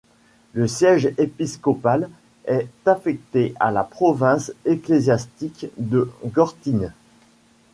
Le siège épiscopal est affecté à la province ecclésiastique de Gortyne.